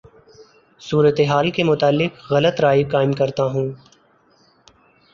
صورتحال کے متعلق غلط رائے قائم کرتا ہوں